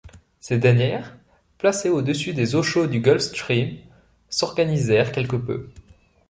Ces dernières, placées au-dessus des eaux chaudes du Gulf Stream, s'organisèrent quelque peu.